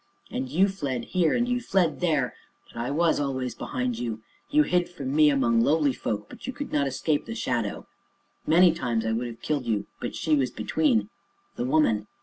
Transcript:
And you fled here, and you fled there, but I was always behind you; you hid from me among lowly folk, but you could not escape the shadow. Many times I would have killed you but she was between the Woman.